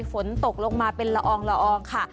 ฝนตกลงมาเป็นละอองละอองค่ะ